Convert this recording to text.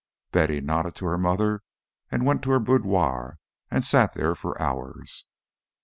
Betty nodded to her mother, and went to her boudoir and sat there for hours.